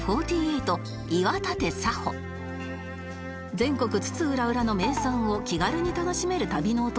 全国津々浦々の名産を気軽に楽しめる旅のお供